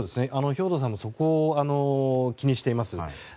兵頭さんもそこを気にしています。